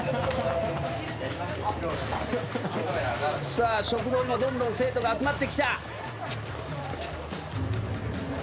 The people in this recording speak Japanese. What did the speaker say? さあ食堂もどんどん生徒が集まってきた。